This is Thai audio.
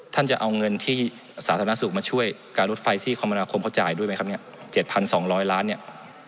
ท่านจะเอาเงินที่สาธารณสุขมาช่วยการลดไฟที่คำนาคมเขาจ่ายด้วยไหมครับเนี้ยเจ็ดพันสองร้อยล้านเนี้ย